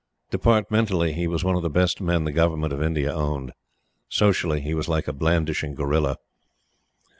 Departmentally, he was one of the best men the Government of India owned. Socially, he was like a blandishing gorilla.